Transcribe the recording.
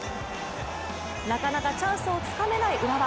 なかなかチャンスをつかめない浦和。